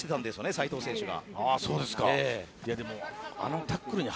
斎藤選手が。